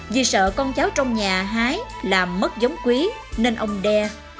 vì sợ con cháu trong nhà hái làm mất giống quý nên ông đe